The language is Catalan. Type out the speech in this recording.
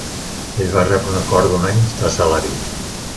Ell va rebre un acord d'un any de salari.